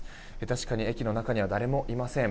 確かに駅の中には誰もいません。